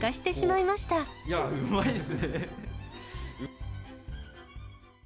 いや、うまいっすね。